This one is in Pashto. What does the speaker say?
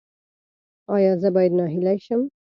ایا زه باید ناهیلي شم؟